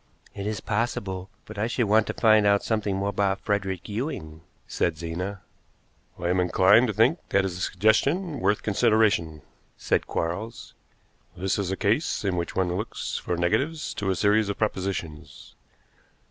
"It is possible, but I should want to find out something more about Frederick Ewing," said Zena. "I am inclined to think that is a suggestion worth consideration," said Quarles. "This is a case in which one looks for negatives to a series of propositions.